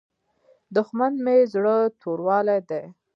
دښمن د زړه توروالی دی